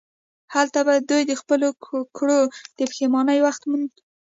هلته به دوی د خپلو کړو د پښیمانۍ وخت موند.